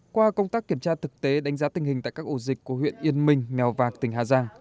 qua công tác kiểm tra thực tế đánh giá tình hình tại các ổ dịch của huyện yên minh mèo vạc tỉnh hà giang